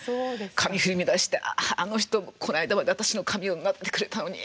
髪振り乱して「あああの人この間まで私の髪をなでてくれたのに！」